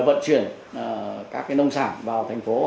vận chuyển các nông sản vào thành phố